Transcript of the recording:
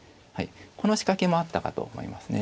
この仕掛けもあったかと思いますね。